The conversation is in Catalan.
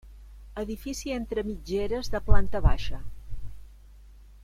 Edifici entre mitgeres de planta baixa.